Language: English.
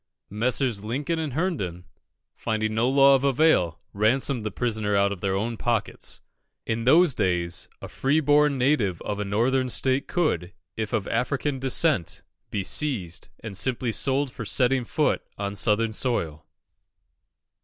Messrs. Lincoln and Herndon, finding law of no avail, ransomed the prisoner out of their own pockets. In those days, a free born native of a Northern state could, if of African descent, be seized and sold simply for setting foot on Southern soil.